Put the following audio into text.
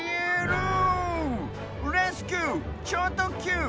レスキュー！ちょうとっきゅう！